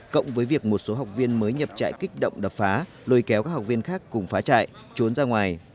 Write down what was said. cộng với việc một số học viên mới nhập chạy kích động đập phá lôi kéo các học viên khác cùng phá chạy trốn ra ngoài